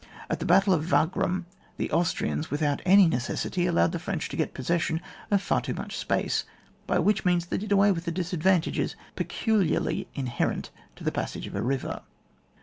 At the battle of Wagram the Austrians, without any necessity, allowed the French to get possession of far too much space, by which means they did away with the disadvantages peculiarly inherent to the passage of a river.